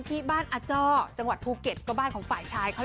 ที่บ้านอาจ้อจังหวัดภูเก็ตก็บ้านของฝ่ายชายเขา